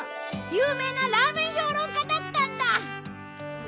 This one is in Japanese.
有名なラーメン評論家だったんだ！